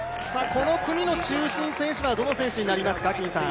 この組の中心選手はどの選手になりますか？